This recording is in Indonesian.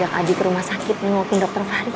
kita mau ajak abi ke rumah sakit menungguin dokter fahri